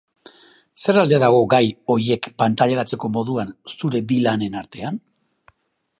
Zer alde dago gai horiek pantailaratzeko moduan zure bi lanen artean?